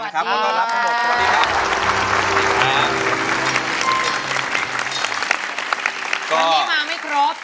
สวัสดีครับ